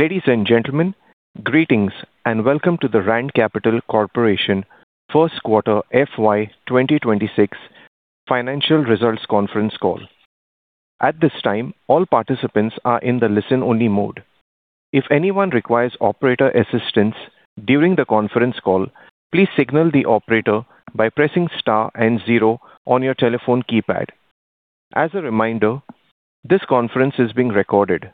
Ladies and gentlemen, greetings and welcome to the Rand Capital Corporation first quarter FY 2026 financial results conference call. At this time, all participants are in the listen-only mode. If anyone requires operator assistance during the conference call, please signal the operator by pressing star and zero on your telephone keypad. As a reminder this conference is being recorded.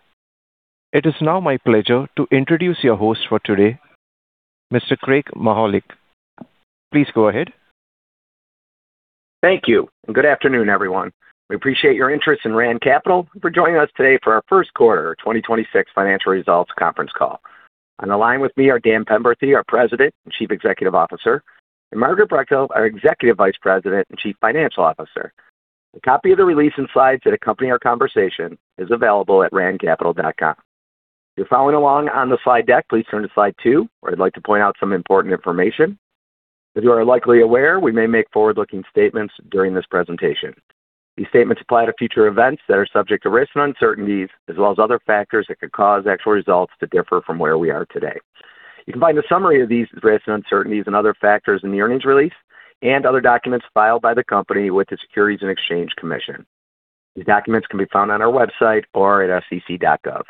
It is now my pleasure to introduce your host for today, Mr. Craig Mychajluk. Please go ahead. Thank you, good afternoon, everyone. We appreciate your interest in Rand Capital and for joining us today for our first quarter of 2026 financial results conference call. On the line with me are Dan Penberthy, our President and Chief Executive Officer, and Margaret Brechtel, our Executive Vice President and Chief Financial Officer. A copy of the release and slides that accompany our conversation is available at randcapital.com. If you're following along on the slide deck, please turn to slide two, where I'd like to point out some important information. As you are likely aware, we may make forward-looking statements during this presentation. These statements apply to future events that are subject to risks and uncertainties as well as other factors that could cause actual results to differ from where we are today. You can find a summary of these risks and uncertainties and other factors in the earnings release and other documents filed by the company with the Securities and Exchange Commission. These documents can be found on our website or at sec.gov.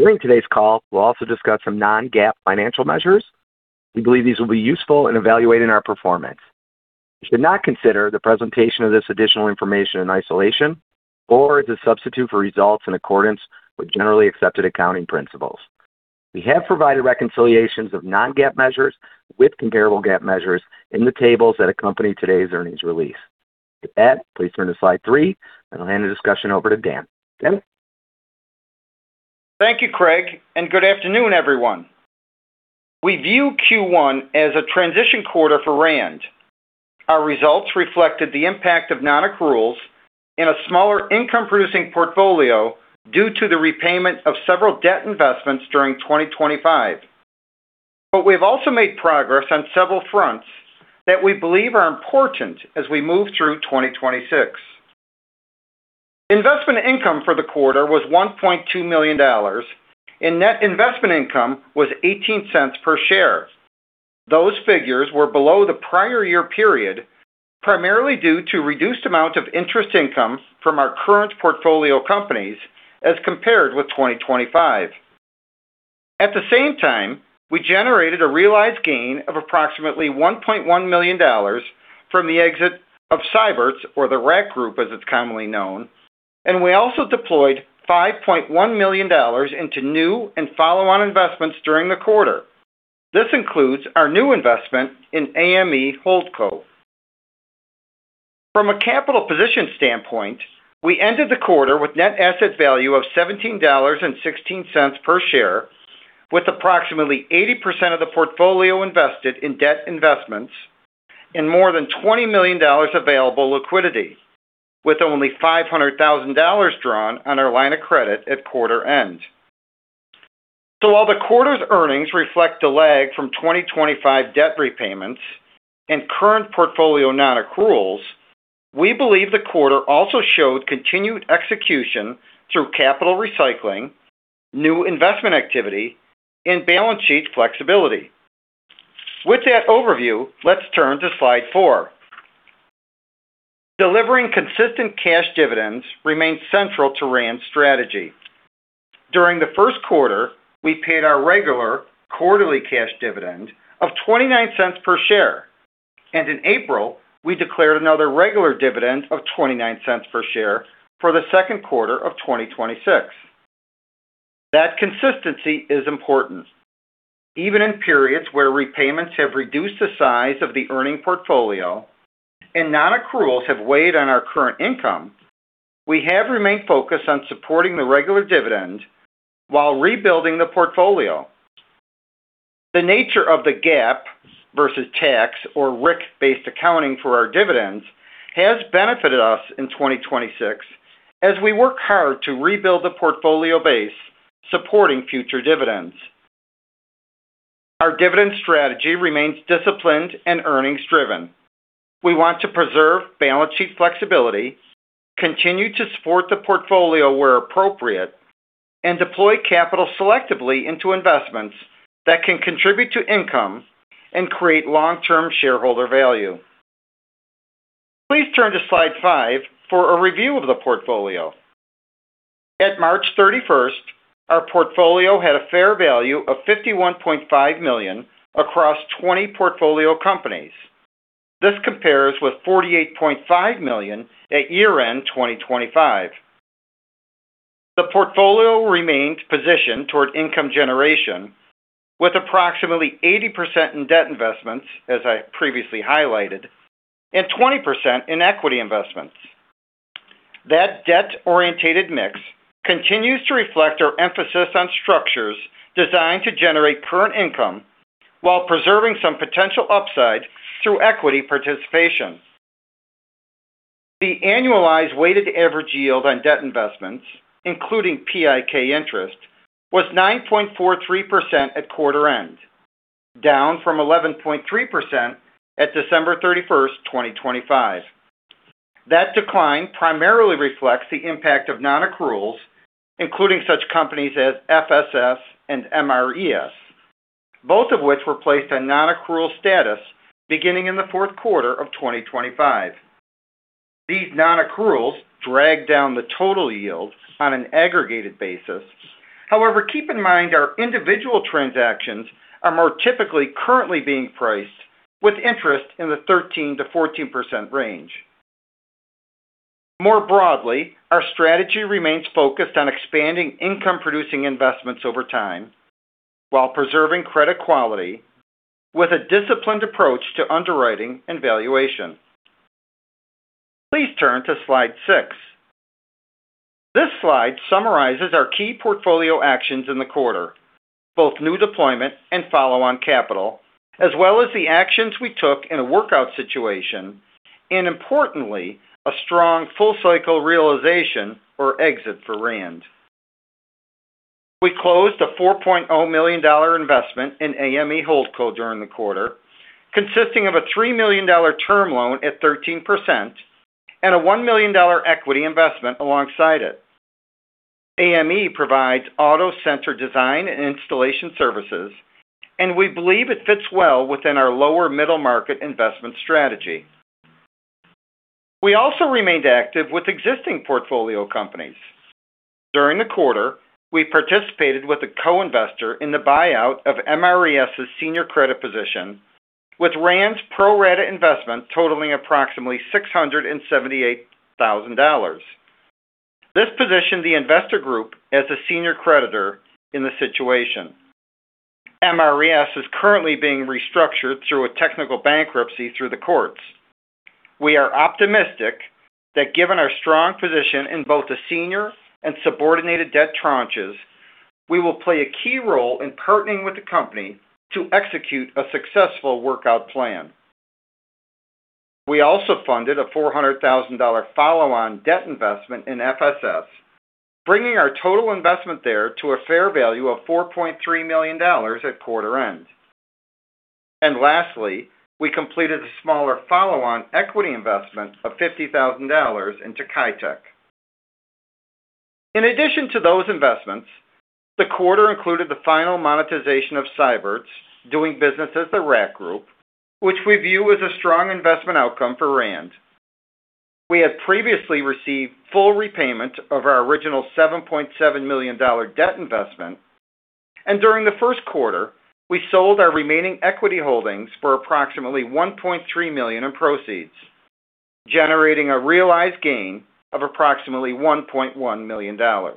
During today's call, we'll also discuss some non-GAAP financial measures. We believe these will be useful in evaluating our performance. You should not consider the presentation of this additional information in isolation or as a substitute for results in accordance with generally accepted accounting principles. We have provided reconciliations of non-GAAP measures with comparable GAAP measures in the tables that accompany today's earnings release. With that, please turn to slide three, and I'll hand the discussion over to Dan. Dan? Thank you, Craig, and good afternoon, everyone. We view Q1 as a transition quarter for Rand. Our results reflected the impact of non-accruals in a smaller income-producing portfolio due to the repayment of several debt investments during 2025. We've also made progress on several fronts that we believe are important as we move through 2026. Investment income for the quarter was $1.2 million and net investment income was $0.18 per share. Those figures were below the prior year period, primarily due to reduced amount of interest income from our current portfolio companies as compared with 2025. At the same time, we generated a realized gain of approximately $1.1 million from the exit of Seybert's or The Rack Group, as it's commonly known, and we also deployed $5.1 million into new and follow-on investments during the quarter. This includes our new investment in AME Holdco. From a capital position standpoint, we ended the quarter with net asset value of $17.16 per share, with approximately 80% of the portfolio invested in debt investments and more than $20 million available liquidity, with only $500,000 drawn on our line of credit at quarter end. While the quarter's earnings reflect a lag from 2025 debt repayments and current portfolio non-accruals, we believe the quarter also showed continued execution through capital recycling, new investment activity, and balance sheet flexibility. With that overview, let's turn to slide four. Delivering consistent cash dividends remains central to Rand's strategy. During the first quarter, we paid our regular quarterly cash dividend of $0.29 per share, and in April, we declared another regular dividend of $0.29 per share for the second quarter of 2026. That consistency is important. Even in periods where repayments have reduced the size of the earning portfolio and non-accruals have weighed on our current income, we have remained focused on supporting the regular dividend while rebuilding the portfolio. The nature of the GAAP versus tax or RIC-based accounting for our dividends has benefited us in 2026 as we work hard to rebuild the portfolio base supporting future dividends. Our dividend strategy remains disciplined and earnings driven. We want to preserve balance sheet flexibility, continue to support the portfolio where appropriate, and deploy capital selectively into investments that can contribute to income and create long-term shareholder value. Please turn to slide five for a review of the portfolio. At March 31st, our portfolio had a fair value of $51.5 million across 20 portfolio companies. This compares with $48.5 million at year-end 2025. The portfolio remains positioned toward income generation with approximately 80% in debt investments, as I previously highlighted, and 20% in equity investments. That debt-orientated mix continues to reflect our emphasis on structures designed to generate current income while preserving some potential upside through equity participation. The annualized weighted average yield on debt investments, including PIK interest, was 9.43% at quarter end, down from 11.3% at December 31, 2025. That decline primarily reflects the impact of non-accruals, including such companies as FSS and MRES, both of which were placed on non-accrual status beginning in the fourth quarter of 2025. These non-accruals drag down the total yield on an aggregated basis. However, keep in mind our individual transactions are more typically currently being priced with interest in the 13%-14% range. More broadly, our strategy remains focused on expanding income-producing investments over time while preserving credit quality with a disciplined approach to underwriting and valuation. Please turn to slide six. This slide summarizes our key portfolio actions in the quarter, both new deployment and follow-on capital, as well as the actions we took in a workout situation. Importantly, a strong full-cycle realization or exit for Rand. We closed a $4.0 million investment in AME Holdco during the quarter, consisting of a $3 million term loan at 13% and a $1 million equity investment alongside it. AME provides auto center design and installation services, and we believe it fits well within our lower middle market investment strategy. We also remained active with existing portfolio companies. During the quarter, we participated with a co-investor in the buyout of MRES' senior credit position, with Rand's pro rata investment totaling approximately $678,000. This positioned the investor group as a senior creditor in the situation. MRES is currently being restructured through a technical bankruptcy through the courts. We are optimistic that given our strong position in both the senior and subordinated debt tranches, we will play a key role in partnering with the company to execute a successful workout plan. We also funded a $400,000 follow-on debt investment in FSS, bringing our total investment there to a fair value of $4.3 million at quarter end. Lastly, we completed a smaller follow-on equity investment of $50,000 into Caitec. In addition to those investments, the quarter included the final monetization of Seybert's, doing business as The Rack Group, which we view as a strong investment outcome for Rand. We had previously received full repayment of our original $7.7 million debt investment. During the first quarter, we sold our remaining equity holdings for approximately $1.3 million in proceeds, generating a realized gain of approximately $1.1 million. The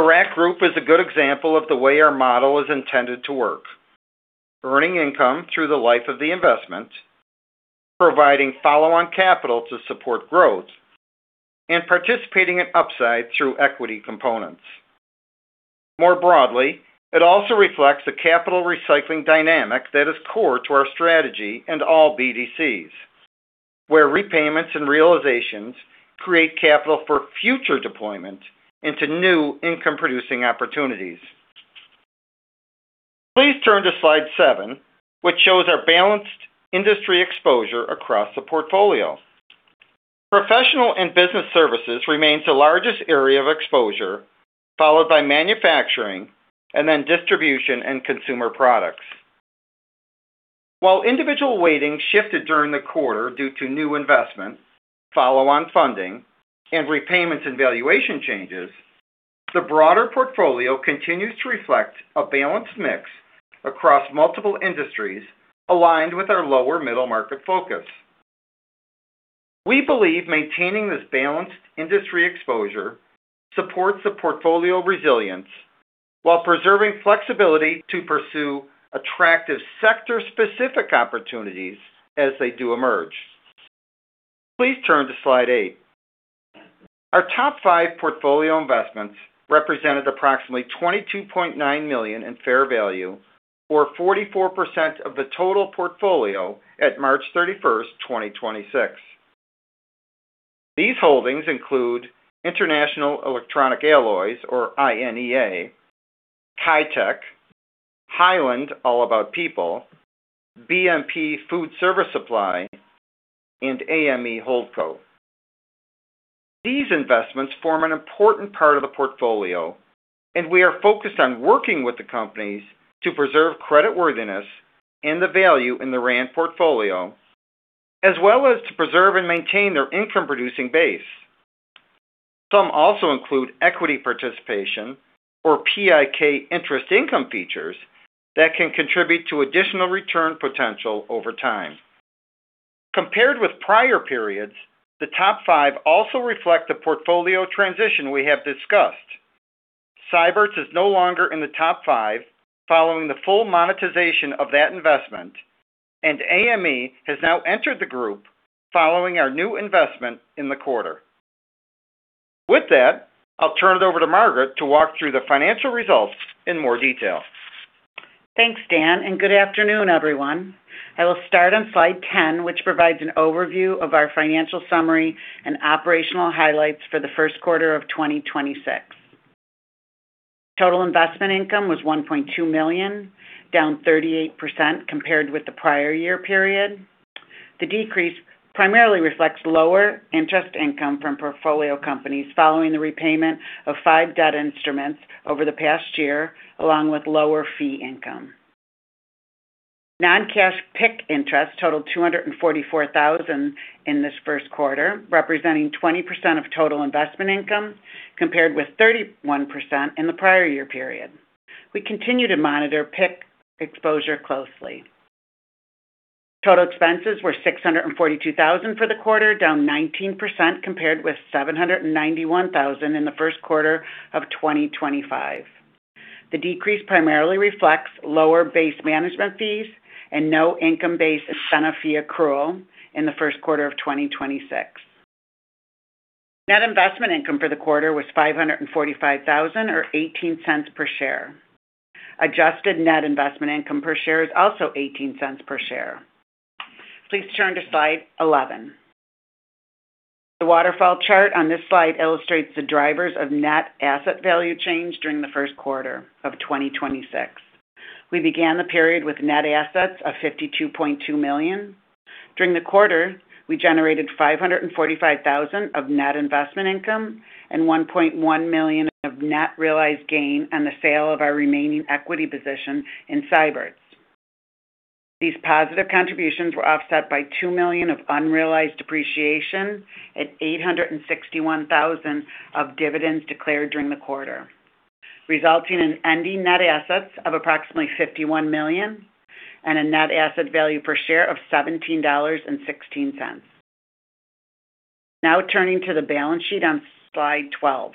Rack Group is a good example of the way our model is intended to work, earning income through the life of the investment, providing follow-on capital to support growth, and participating in upside through equity components. More broadly, it also reflects the capital recycling dynamic that is core to our strategy and all BDCs, where repayments and realizations create capital for future deployment into new income-producing opportunities. Please turn to slide seven, which shows our balanced industry exposure across the portfolio. Professional and business services remains the largest area of exposure, followed by manufacturing and then distribution and consumer products. While individual weighting shifted during the quarter due to new investments, follow-on funding, and repayments and valuation changes, the broader portfolio continues to reflect a balanced mix across multiple industries aligned with our lower middle-market focus. We believe maintaining this balanced industry exposure supports the portfolio resilience while preserving flexibility to pursue attractive sector-specific opportunities as they do emerge. Please turn to slide eight. Our top five portfolio investments represented approximately $22.9 million in fair value or 44% of the total portfolio at March 31, 2026. These holdings include Inter-National Electronic Alloys, or INEA, Caitec, Highland All About People, BMP Food Service Supply, and AME Holdco. These investments form an important part of the portfolio, and we are focused on working with the companies to preserve creditworthiness and the value in the Rand portfolio, as well as to preserve and maintain their income-producing base. Some also include equity participation or PIK interest income features that can contribute to additional return potential over time. Compared with prior periods, the top five also reflect the portfolio transition we have discussed. Seybert's is no longer in the top five following the full monetization of that investment, and AME has now entered the group following our new investment in the quarter. With that, I'll turn it over to Margaret to walk through the financial results in more detail. Thanks, Dan. Good afternoon, everyone. I will start on slide 10, which provides an overview of our financial summary and operational highlights for the first quarter of 2026. Total investment income was $1.2 million, down 38% compared with the prior year period. The decrease primarily reflects lower interest income from portfolio companies following the repayment of five debt investments over the past year, along with lower fee income. Non-cash PIK interest totaled $244,000 in this first quarter, representing 20% of total investment income, compared with 31% in the prior year period. We continue to monitor PIK exposure closely. Total expenses were $642,000 for the quarter, down 19% compared with $791,000 in the first quarter of 2025. The decrease primarily reflects lower base management fees and no income-based incentive fee accrual in the first quarter of 2026. Net investment income for the quarter was $545,000 or $0.18 per share. Adjusted net investment income per share is also $0.18 per share. Please turn to slide 11. The waterfall chart on this slide illustrates the drivers of net asset value change during the first quarter of 2026. We began the period with net assets of $52.2 million. During the quarter, we generated $545,000 of net investment income and $1.1 million of net realized gain on the sale of our remaining equity position in Seybert's. These positive contributions were offset by $2 million of unrealized depreciation and $861,000 of dividends declared during the quarter, resulting in ending net assets of approximately $51 million and a net asset value per share of $17.16. Turning to the balance sheet on slide 12.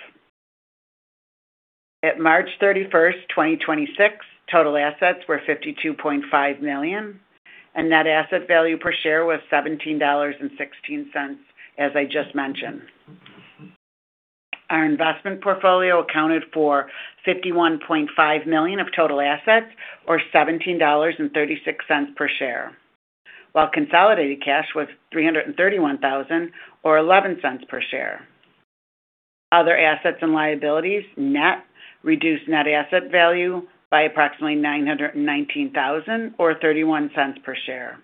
At March 31st, 2026, total assets were $52.5 million, and net asset value per share was $17.16, as I just mentioned. Our investment portfolio accounted for $51.5 million of total assets or $17.36 per share. Consolidated cash was $331,000 or $0.11 per share. Other assets and liabilities net reduced net asset value by approximately $919,000 or $0.31 per share.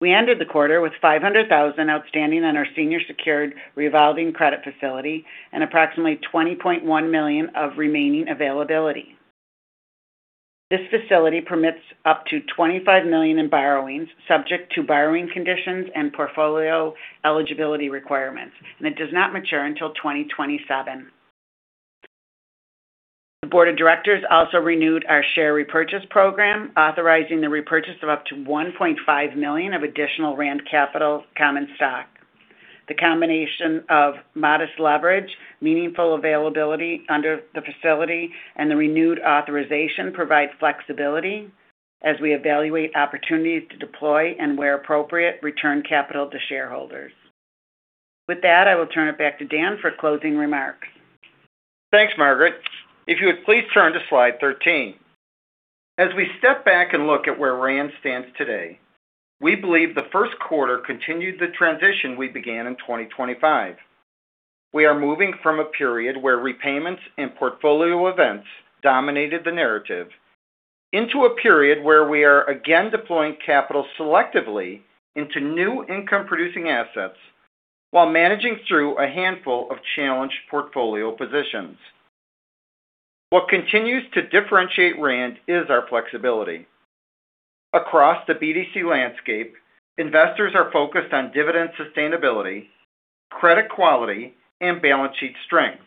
We ended the quarter with $500,000 outstanding on our senior secured revolving credit facility and approximately $20.1 million of remaining availability. This facility permits up to $25 million in borrowings subject to borrowing conditions and portfolio eligibility requirements, and it does not mature until 2027. The board of directors also renewed our share repurchase program, authorizing the repurchase of up to $1.5 million of additional Rand Capital common stock. The combination of modest leverage, meaningful availability under the facility, and the renewed authorization provides flexibility as we evaluate opportunities to deploy and, where appropriate, return capital to shareholders. With that, I will turn it back to Dan for closing remarks. Thanks, Margaret. If you would please turn to slide 13. As we step back and look at where Rand stands today, we believe the first quarter continued the transition we began in 2025. We are moving from a period where repayments and portfolio events dominated the narrative into a period where we are again deploying capital selectively into new income-producing assets while managing through a handful of challenged portfolio positions. What continues to differentiate Rand is our flexibility. Across the BDC landscape, investors are focused on dividend sustainability, credit quality, and balance sheet strength.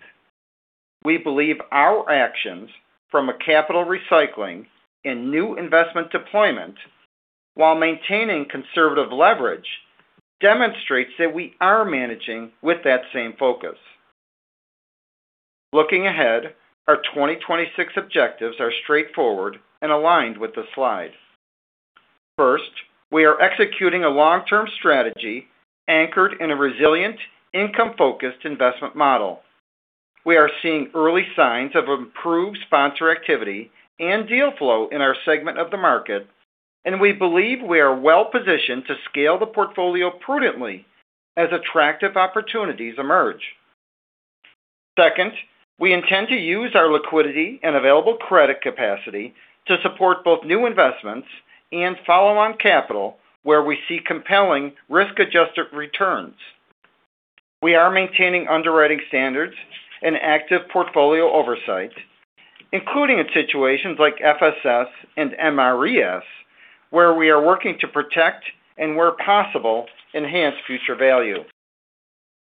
We believe our actions from a capital recycling and new investment deployment while maintaining conservative leverage demonstrates that we are managing with that same focus. Looking ahead, our 2026 objectives are straightforward and aligned with the slide. First, we are executing a long-term strategy anchored in a resilient income-focused investment model. We are seeing early signs of improved sponsor activity and deal flow in our segment of the market, and we believe we are well-positioned to scale the portfolio prudently as attractive opportunities emerge. Second, we intend to use our liquidity and available credit capacity to support both new investments and follow on capital where we see compelling risk-adjusted returns. We are maintaining underwriting standards and active portfolio oversight, including in situations like FSS and MRES, where we are working to protect and where possible, enhance future value.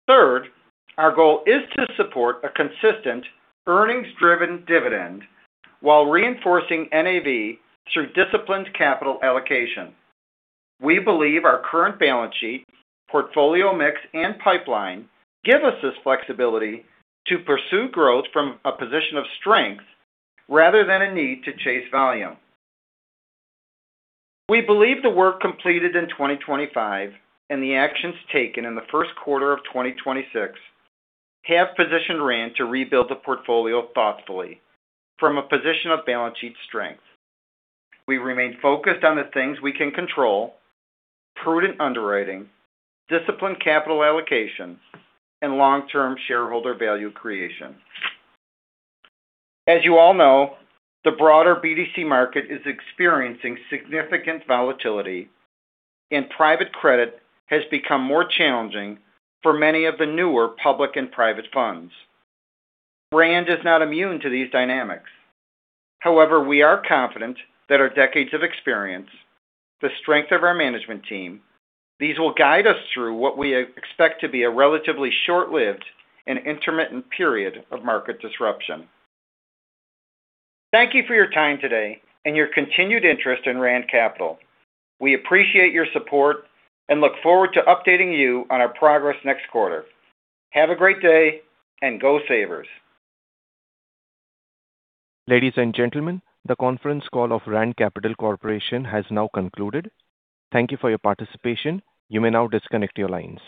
Third, our goal is to support a consistent earnings driven dividend while reinforcing NAV through disciplined capital allocation. We believe our current balance sheet, portfolio mix, and pipeline give us this flexibility to pursue growth from a position of strength rather than a need to chase volume. We believe the work completed in 2025 and the actions taken in the first quarter of 2026 have positioned Rand to rebuild the portfolio thoughtfully from a position of balance sheet strength. We remain focused on the things we can control, prudent underwriting, disciplined capital allocation, and long-term shareholder value creation. As you all know, the broader BDC market is experiencing significant volatility and private credit has become more challenging for many of the newer public and private funds. Rand is not immune to these dynamics. We are confident that our decades of experience, the strength of our management team, these will guide us through what we expect to be a relatively short-lived and intermittent period of market disruption. Thank you for your time today and your continued interest in Rand Capital. We appreciate your support and look forward to updating you on our progress next quarter. Have a great day, and go Sabres. Ladies and gentlemen, the conference call of Rand Capital Corporation has now concluded. Thank you for your participation. You may now disconnect your lines.